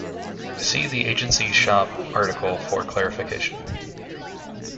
See the Agency shop article for clarification.